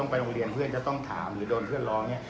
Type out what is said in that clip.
ไปโรงเรียนเพื่อนจะต้องถามหรือโดนเพื่อนร้องเนี่ย